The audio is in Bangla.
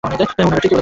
উনারা ঠিকই বলছে।